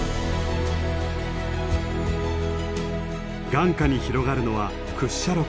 眼下に広がるのは屈斜路湖。